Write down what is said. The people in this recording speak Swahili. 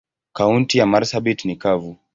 Kaunti ya marsabit ni kavu.